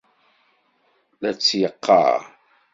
La tt-yeqqar.